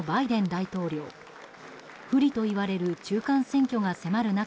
大統領不利といわれる中間選挙が迫る中